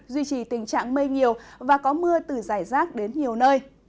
duy trì tình trạng mây nhiều và có mưa từ dài rác đến nhiều nơi